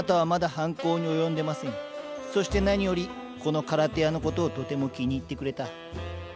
そして何よりこのカラテアのことをとても気に入ってくれた。